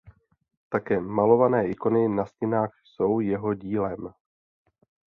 Také malované ikony na stěnách jsou jeho dílem.